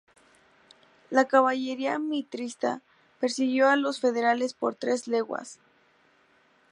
La caballería mitrista persiguió a los federales por tres leguas.